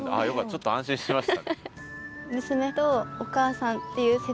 ちょっと安心しました。